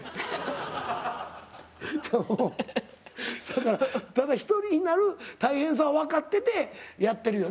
だからただ一人になる大変さを分かっててやってるよな？